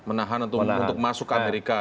menahan untuk masuk ke amerika